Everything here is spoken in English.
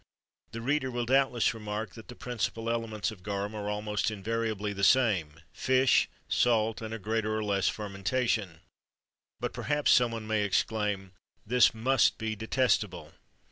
The reader will doubtless remark, that the principal elements of garum are almost invariably the same: fish, salt, and a greater or less fermentation. But perhaps some one may exclaim: "This must be detestable!"